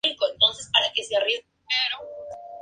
Fue colaborador en Barcelona de "El Día Gráfico".